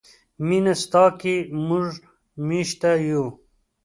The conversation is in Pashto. مینه ستا کې موږ میشته یو.